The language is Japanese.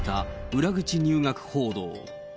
裏口入学報道。